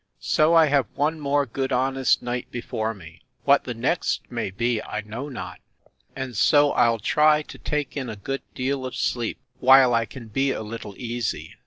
So I have one more good honest night before me: What the next may be I know not, and so I'll try to take in a good deal of sleep, while I can be a little easy.